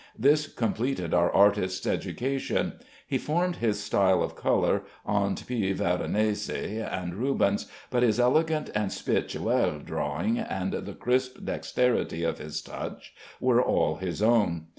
This completed our artist's education. He formed his style of color on P. Veronese and Rubens, but his elegant and spirituel drawing and the crisp dexterity of his touch were all his own.